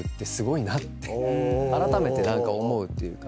あらためて何か思うっていうか。